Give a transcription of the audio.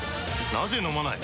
なぜ飲まない？